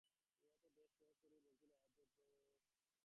এইমাত্র বেশ সহজ শরীরে কথা বলছিল, বলতে বলতে অজ্ঞান হয়ে গেল।